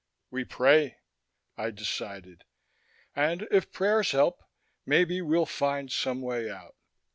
"We pray," I decided. "And if prayers help, maybe we'll find some way out."